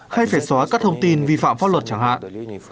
hay phải xóa các thông tin vi phạm pháp luật chẳng hạn